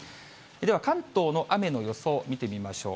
では関東の雨の予想、見てみましょう。